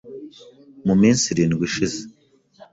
Mu minsi irindwi ishize